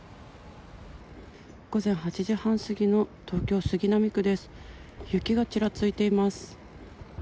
午前８時半過ぎの東京・杉並区です。